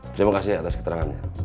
terima kasih atas keterangannya